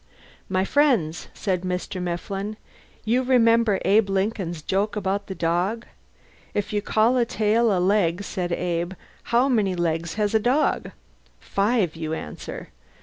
"My friends," said Mr. Mifflin. "You remember Abe Lincoln's joke about the dog? If you call a tail a leg, said Abe, how many legs has a dog? Five, you answer.